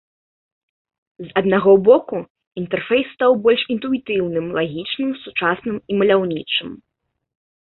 З аднаго боку, інтэрфейс стаў больш інтуітыўным, лагічным, сучасным і маляўнічым.